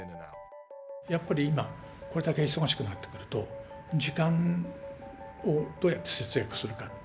やっぱり今これだけ忙しくなってくると時間をどうやって節約するか。